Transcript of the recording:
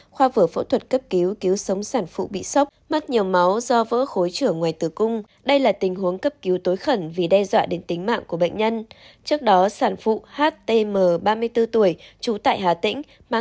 hãy đăng ký kênh để ủng hộ kênh của chúng mình nhé